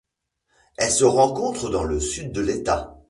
Elle se rencontre dans le Sud de l'État.